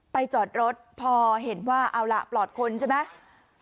จอดรถพอเห็นว่าเอาล่ะปลอดคนใช่ไหม